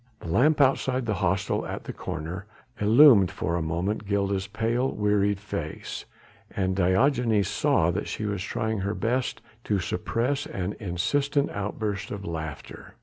The lamp outside the hostel at the corner illumined for a moment Gilda's pale, wearied face, and Diogenes saw that she was trying her best to suppress an insistent outburst of laughter.